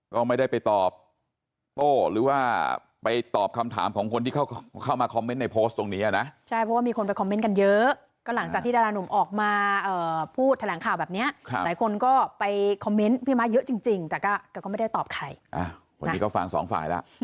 ก็ไม่ได้ไปตอบโต้หรือว่าไปตอบคำถามของคนที่เข้ามาคอมเมนต์ในโพสต์ตรงนี้นะ